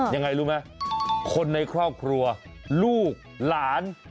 ยังไงรู้ไหมคนในครอบครัวลูกหลาน